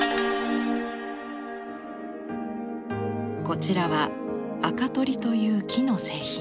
こちらは「あか取り」という木の製品。